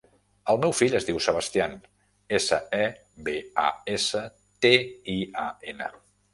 El meu fill es diu Sebastian: essa, e, be, a, essa, te, i, a, ena.